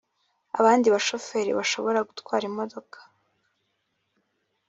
abandi bashoferi bashobora gutwara imodoka